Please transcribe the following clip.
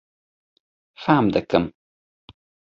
Fêm dikim.